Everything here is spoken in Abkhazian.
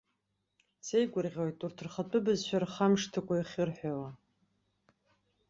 Сеигәырӷьоит урҭ рхатәы бызшәа рхамышҭыкәа иахьырҳәауа!